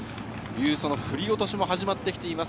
振り落としも始まって来ています。